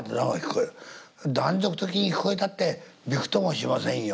断続的に聞こえたってビクともしませんよ